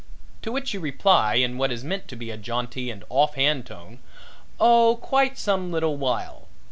To which you reply in what is meant to be a jaunty and off hand tone: "Oh quite some little while.